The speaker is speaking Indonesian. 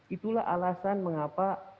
itulah alasan mengapa